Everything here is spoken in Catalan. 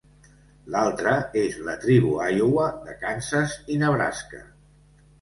L'altra és la Tribu Iowa de Kansas i Nebraska.